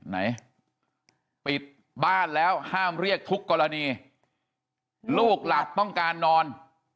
ไหนปิดบ้านแล้วห้ามเรียกทุกกรณีลูกหลับต้องการนอน